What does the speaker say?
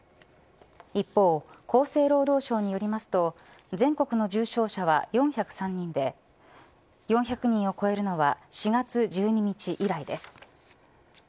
一方、厚生労働省によりますと全国の重症者は４０３人で４００人を超えるのは４月１２日以来です。